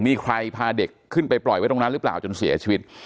มีใครพาเด็กขึ้นไปปล่อยไว้ตรงนั้นหรือเปล่าจนเสียชีวิต